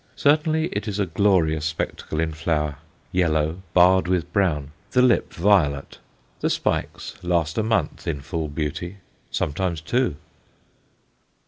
Certainly it is a glorious spectacle in flower yellow, barred with brown; the lip violet. The spikes last a month in full beauty sometimes two.